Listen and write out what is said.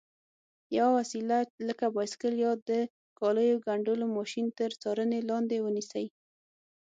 یوه وسیله لکه بایسکل یا د کالیو ګنډلو ماشین تر څارنې لاندې ونیسئ.